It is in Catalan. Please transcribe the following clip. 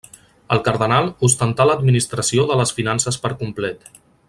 El cardenal ostentà l'administració de les finances per complet.